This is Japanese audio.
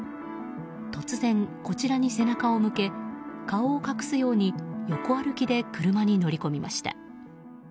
突然、こちらに背中を向け顔を隠すように横歩きで車に乗り込みました。